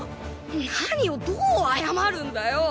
何をどう謝るんだよ？